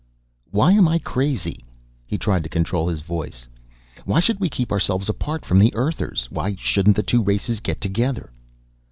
"Why am I crazy?" He tried to control his voice. "Why should we keep ourselves apart from the Earthers? Why shouldn't the two races get together?"